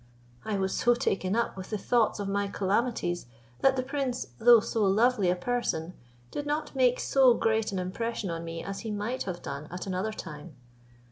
I was so taken up with the thoughts of my calamities, that the prince, though so lovely a person, did not make so great an impression on me as he might have done at another time.